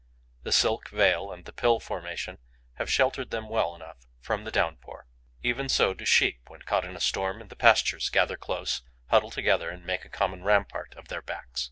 The silk veil and the pill formation have sheltered them well enough from the downpour. Even so do Sheep, when caught in a storm in the pastures, gather close, huddle together and make a common rampart of their backs.